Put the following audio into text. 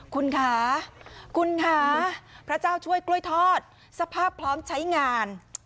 คุณค่ะคุณค่ะพระเจ้าช่วยกล้วยทอดสภาพพร้อมใช้งาน